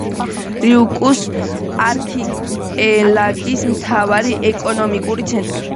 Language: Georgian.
რიუკიუს არქიპელაგის მთავარი ეკონომიკური ცენტრი.